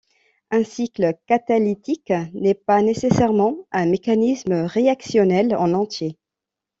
Un cycle catalytique n'est pas nécessairement un mécanisme réactionnel en entier.